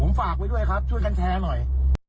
ฝากไว้ด้วยครับช่วยกันแชร์หน่อย